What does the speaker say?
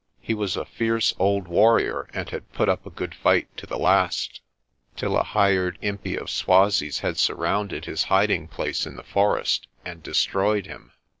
He was a fierce old warrior and had put up a good fight to the last, till a hired impi of Swazis had surrounded his hiding place in the for est and destroyed him.